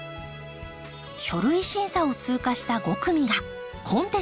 書類審査を通過した５組がコンテストに参加。